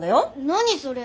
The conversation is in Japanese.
何それ。